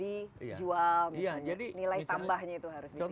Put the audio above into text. ini sudah dijual nilai tambahnya itu harus ditingkatkan